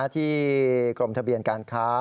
ที่กรมทะเบียนการค้า